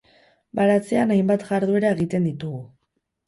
Baratzean hainbat jarduera egiten ditugu.